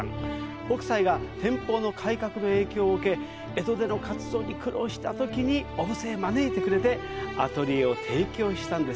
北斎が天保の改革の影響を受け、江戸での活動に苦労したときに小布施へ招き、アトリエを提供したんです。